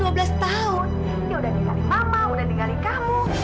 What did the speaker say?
dia udah tinggali mama udah tinggali kamu